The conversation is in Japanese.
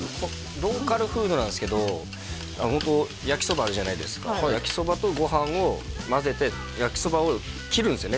ローカルフードなんですけどホント焼きそばあるじゃないですか焼きそばとご飯を混ぜて焼きそばを切るんですよね